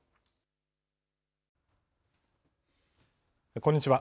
こんにちは。